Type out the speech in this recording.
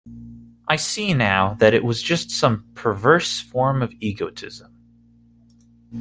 I see now that it was just some perverse form of egotism.